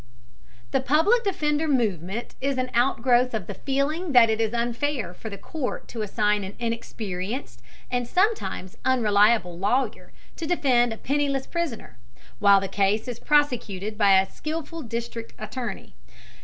The Public Defender movement is an outgrowth of the feeling that it is unfair for the court to assign an inexperienced and sometimes unreliable lawyer to defend a penniless prisoner, while the case is prosecuted by a skilful district attorney.